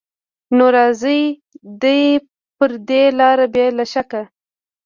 نو راځي دې پر دې لاره بې له شکه